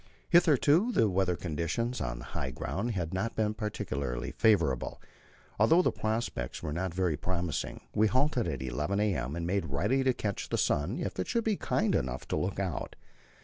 Hitherto, the weather conditions on the high ground had not been particularly favourable. Although the prospects were not very promising, we halted at 11 a.m. and made ready to catch the sun if it should be kind enough to look out.